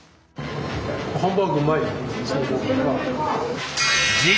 ハンバーグうまいね。